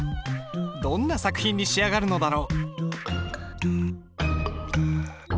どんな作品に仕上がるのだろう。